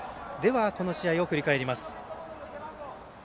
この試合を振り返ります。